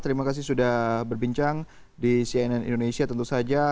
terima kasih sudah berbincang di cnn indonesia tentu saja